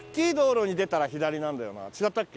違ったっけ？